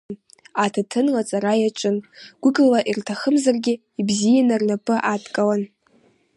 Аҭаҭын лаҵара иаҿыз, гәыкала ирҭахымзаргьы, ибзианы рнапы адкылан.